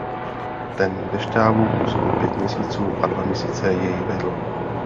Ten ve štábu působil pět měsíců a dva měsíce jej vedl.